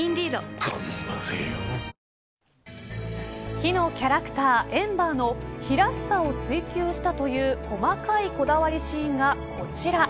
火のキャラクターエンバーの火らしさを追求したという細かいこだわりシーンがこちら。